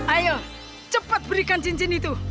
ayo cepat berikan cincin itu